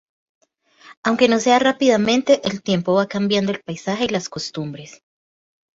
Aunque no sea rápidamente, el tiempo va cambiando el paisaje y las costumbres.